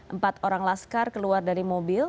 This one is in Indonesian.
empat orang laskar keluar dari mobil